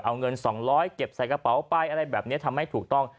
เอาเงิน๒๐๐เก็บใส่กระเป๋าไปอะไรแบบนี้ทำให้ถูกต้อง